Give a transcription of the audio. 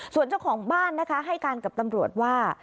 ส่วนเจ้าของบ้านนะคะให้การกับตำรวจว่า